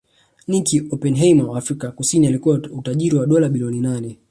Nicky Oppenheimer wa Afrika Kusini akiwa na utajiri wa dola bilioni nane